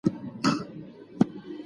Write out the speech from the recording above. همدا د خوشال اخري پیغام و